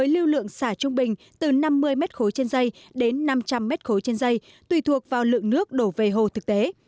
lưu lượng xả trung bình từ năm mươi m ba trên dây đến năm trăm linh m ba trên dây tùy thuộc vào lượng nước đổ về hồ thực tế